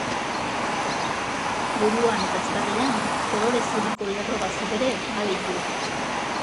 Buruan eta eztarrian kolore zuriko lerro batzuk ere baditu.